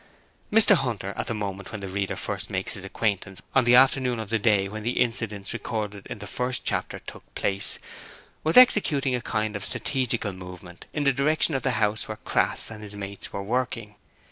Mr Hunter, at the moment when the reader first makes his acquaintance on the afternoon of the day when the incidents recorded in the first chapter took place, was executing a kind of strategic movement in the direction of the house where Crass and his mates were working.